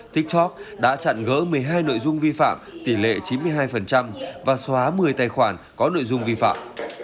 tiktok đã chặn gỡ một mươi hai nội dung vi phạm tỷ lệ chín mươi hai và xóa một mươi tài khoản có nội dung vi phạm